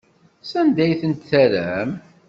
Sanda ay tent-terram?